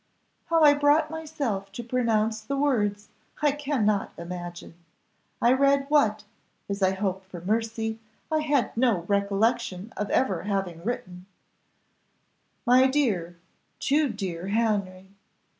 How I brought myself to pronounce the words, I cannot imagine. I read what, as I hope for mercy, I had no recollection of ever having written 'My dear, too dear Henry.